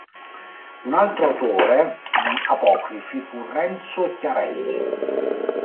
Un altro autore di apocrifi fu Renzo Chiarelli.